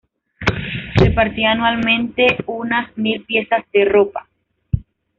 Repartía anualmente unas mil piezas de ropa.